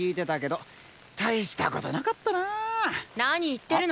何言ってるの！